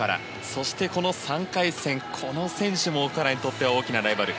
そして、この３回戦この選手も奥原にとっては大きなライバル。